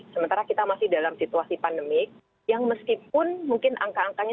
sementara kita masih dalam situasi pandemik yang meskipun mungkin angka angkanya